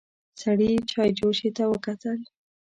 سړي چايجوشې ته وکتل.